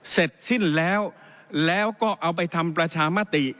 เสร็จสิ้นแล้วแล้วก็เอาไปทำประชามติ